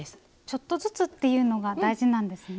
ちょっとずつっていうのが大事なんですね。